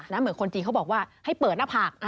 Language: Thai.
เหมือนคนจีนเขาบอกว่าให้เปิดหน้าผาก